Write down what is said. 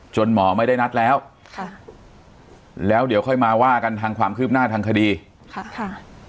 หมอไม่ได้นัดแล้วค่ะแล้วเดี๋ยวค่อยมาว่ากันทางความคืบหน้าทางคดีค่ะค่ะ